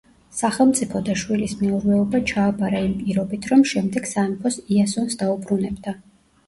სახელმწიფო და შვილის მეურვეობა ჩააბარა იმ პირობით, რომ შემდეგ სამეფოს იასონს დაუბრუნებდა.